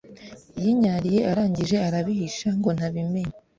Yinyariye arangije arabihisha ngo ntabimenya